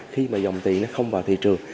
khi mà dòng tiền nó không vào thị trường